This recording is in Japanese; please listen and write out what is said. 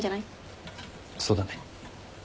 そうだね。